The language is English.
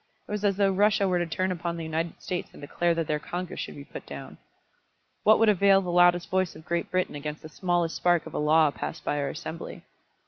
It was as though Russia were to turn upon the United States and declare that their Congress should be put down. What would avail the loudest voice of Great Britain against the smallest spark of a law passed by our Assembly?